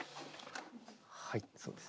はいそうです。